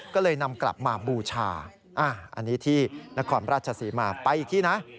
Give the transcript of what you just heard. ก็เลยนำกลับมาบูชาอันนี้ที่นครราชศรีมาไปอีกที่นะ